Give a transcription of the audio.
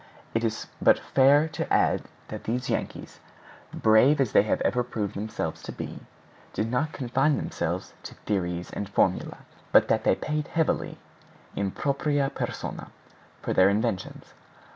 It is but fair to add that these Yankees, brave as they have ever proved themselves to be, did not confine themselves to theories and formulae, but that they paid heavily, in propriâ personâ, for their inventions.